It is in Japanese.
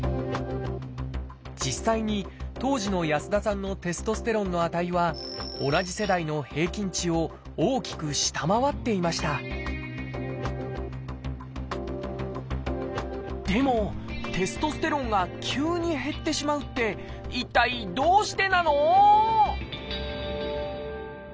実際に当時の安田さんのテストステロンの値は同じ世代の平均値を大きく下回っていましたでもテストステロンが急に減ってしまうって一体どうしてなの？